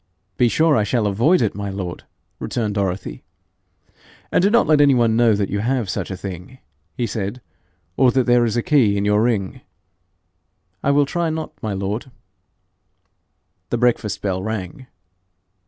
'Be sure I shall avoid it, my lord,' returned Dorothy. 'And do not let any one know you have such a thing,' he said, 'or that there is a key in your ring.' 'I will try not, my lord.' The breakfast bell rang.